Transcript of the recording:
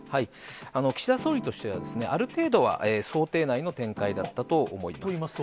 岸田総理としては、ある程度は想定内の展開だったと思います。